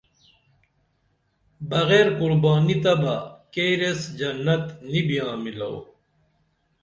بغیر قربانی تبہ کیر ایس جنت نی بیاں مِلو